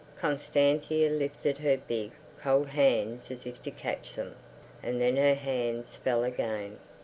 Constantia lifted her big, cold hands as if to catch them, and then her hands fell again.